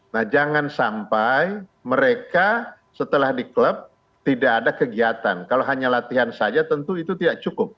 nah jangan sampai mereka setelah di klub tidak ada kegiatan kalau hanya latihan saja tentu itu tidak cukup